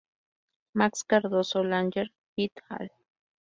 Max Cardoso Langer "et al.